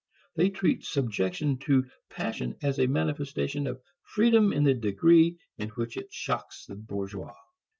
They treat subjection to passion as a manifestation of freedom in the degree in which it shocks the bourgeois.